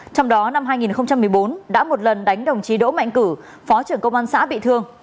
trong đó năm hai nghìn một mươi bốn đã một lần đánh đồng chí đỗ mạnh cử phó trưởng công an xã bị thương